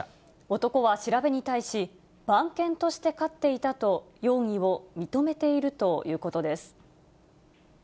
男は調べに対し、番犬として飼っていたと、容疑を認めているということです。